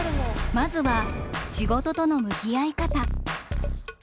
まずは仕事との向き合い方。